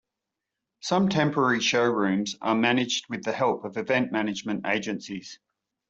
Some temporary showrooms are managed with the help of event management agencies.